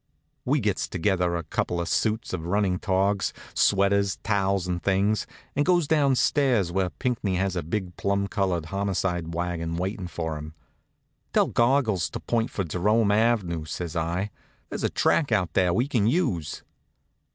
We gets together a couple suits of running togs, sweaters, towels and things, and goes downstairs where Pinckney has a big plum colored homicide wagon waitin' for him. "Tell Goggles to point for Jerome ave.," says I. "There's a track out there we can use."